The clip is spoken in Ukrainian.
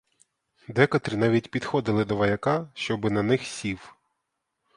Декотрі навіть підходили до вояка, щоби на них сів.